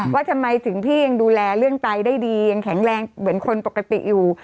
ว่าทำไมถึงพี่ยังดูแลเรื่องไตได้ดียังแข็งแรงเหมือนคนปกติอยู่